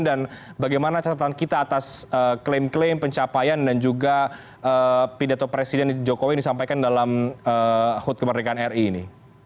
dan bagaimana catatan kita atas klaim klaim pencapaian dan juga pidato presiden jokowi disampaikan dalam hut kemerdekaan ri ini